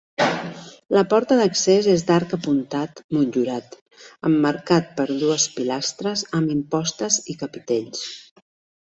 La porta d'accés és d'arc apuntat motllurat, emmarcat per dues pilastres amb impostes i capitells.